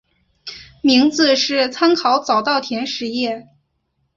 名字是参考早稻田实业。